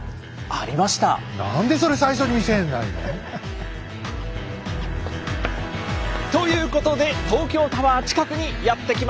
何でそれ最初に見せないの？ということで東京タワー近くにやって来ました！